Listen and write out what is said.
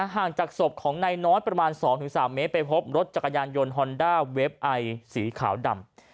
ห่างจากศพของนายน้อยประมาณ๒๓เมตรไปพบรถจักรยานยนต์ฮอนด้าเวฟไอสีขาวดำ